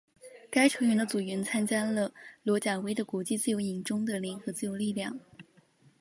该组织的成员参加了罗贾瓦的国际自由营中的联合自由力量。